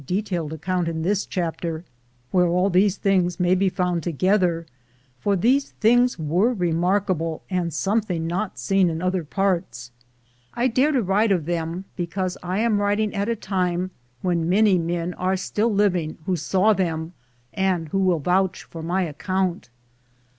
detailed account in this chapter, where all these things may be found together; for these things were remarkable and something not seen in other parts. I dare to write of them because I am writing at a time when many men are still living who saw them and who will vouch for my account.